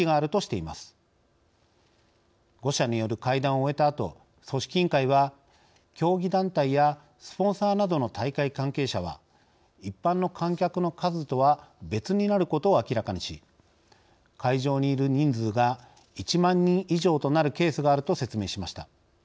５者による会談を終えたあと組織委員会は競技団体やスポンサーなどの大会関係者は一般の観客の数とは別になることを明らかにし会場にいる人数が１万人以上となるケースがあると説明しました。